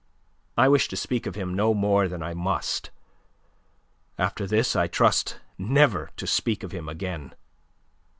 "I wish to speak of him no more than I must. After this, I trust never to speak of him again.